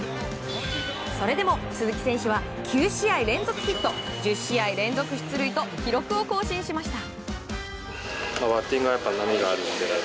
それでも鈴木選手は９試合連続ヒット１０試合連続出塁と記録を更新しました。